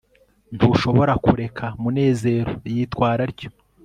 ntushobora kureka munezero yitwara atyo